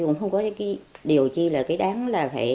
cũng không có cái điều chi là cái đáng là phải